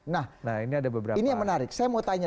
nah ini yang menarik saya mau tanya